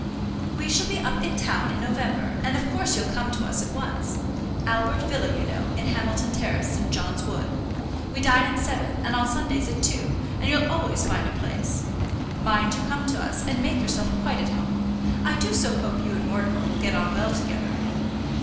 "We shall be up in town in November, and of course you'll come to us at once. Albert Villa, you know, in Hamilton Terrace, St. John's Wood. We dine at seven, and on Sundays at two; and you'll always find a place. Mind you come to us, and make yourself quite at home. I do so hope you and Mortimer will get on well together."